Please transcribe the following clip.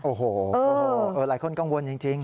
โอ้โหหลายคนกังวลจริง